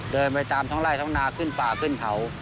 เดินไปตามท้องไล่ท้องนาขึ้นป่าขึ้นเขา